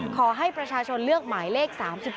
ขอให้ประชาชนเลือกหมายเลข๓๒